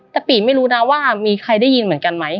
แต่ปีไม่รู้นะว่ามีใครได้ยินเหมือนกันไหม